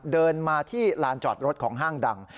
เดินมาที่ลานจอดรถของห้างดัง